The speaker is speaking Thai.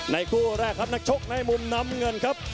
คู่แรกครับนักชกในมุมน้ำเงินครับ